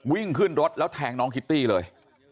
วิ่งขึ้นรถแล้วแทงน้องคิตตี้เลย